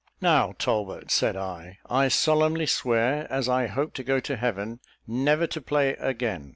"Now, Talbot," said I, "I solemnly swear, as I hope to go to heaven, never to play again."